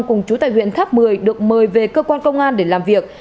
cùng chú tài huyện tháp một mươi được mời về cơ quan công an để làm việc